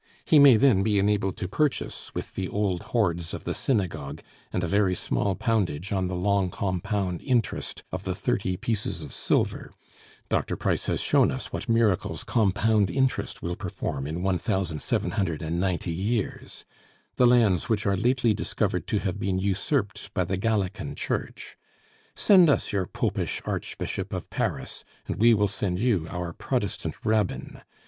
He may then be enabled to purchase, with the old hoards of the synagogue, and a very small poundage on the long compound interest of the thirty pieces of silver (Dr. Price has shown us what miracles compound interest will perform in 1790 years), the lands which are lately discovered to have been usurped by the Gallican Church. Send us your Popish Archbishop of Paris, and we will send you our Protestant Rabbin.